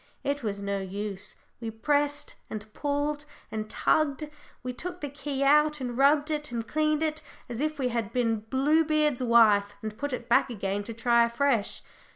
It was no use; we pressed, and pulled, and tugged, we took the key out, and rubbed it and cleaned it as if we had been Bluebeard's wife, and put it back again to try afresh.